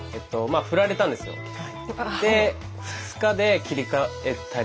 で２日で切り替えたり。